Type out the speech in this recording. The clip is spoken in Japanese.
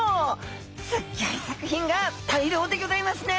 すっギョい作品が大漁でギョざいますね！